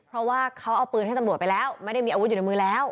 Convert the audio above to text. เพราะว่าเขาเอาปืนให้ตำรวจไปแล้วไม่ได้มีอาวุธอยู่ในมือแล้ว